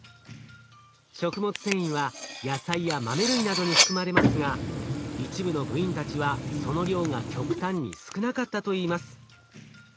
食物繊維は野菜や豆類などに含まれますが一部の部員たちはその量が極端に少なかったといいます。